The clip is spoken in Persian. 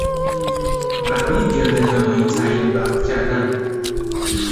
برای گردهمایی تعیین وقت کردن